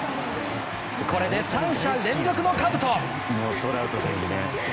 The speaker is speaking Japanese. これで３者連続のかぶと。